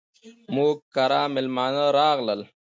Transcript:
موږ کره ميلمانه راغلل.